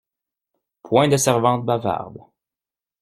Point de servantes bavardes.